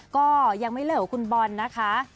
ก็ยังไม่เลิกกับคุณบอลนะคะ